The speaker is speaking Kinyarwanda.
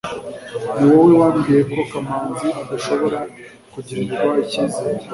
niwowe wambwiye ko kamanzi adashobora kugirirwa ikizere